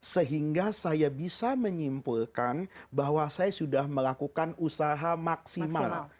sehingga saya bisa menyimpulkan bahwa saya sudah melakukan usaha maksimal